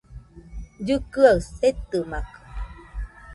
Llɨkɨaɨ setɨmakɨ